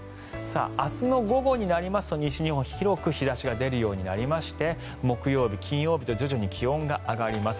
明日の午後になりますと西日本、広く日差しが出るようになりまして木曜日、金曜日と徐々に気温が上がります。